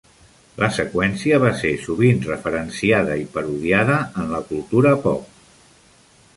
La seqüència va ser sovint referenciada i parodiada en la cultura pop.